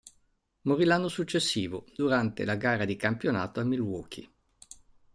Morì l'anno successivo durante la gara di campionato a Milwaukee.